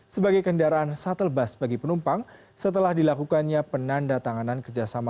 sebagai kendaraan shuttle bus bagi penumpang setelah dilakukannya penanda tanganan kerjasama